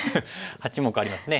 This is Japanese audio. ８目ありますね。